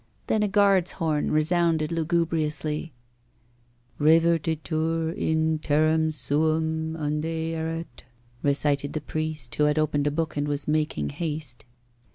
Then a guard's horn resounded lugubriously. 'Revertitur in terram suam unde erat,' recited the priest, who had opened a book and was making haste.